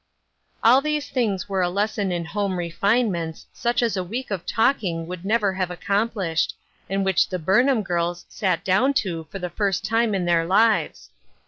All these things were a lesson in home refine ments such as a week of talking would never have accomplished, and which the Burnham girls sat down to for the first time in their lives.